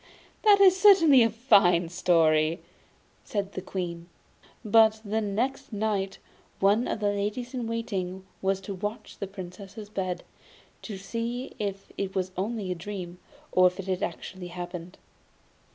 'That is certainly a fine story,' said the Queen. But the next night one of the ladies in waiting was to watch at the Princess's bed, to see if it was only a dream, or if it had actually happened.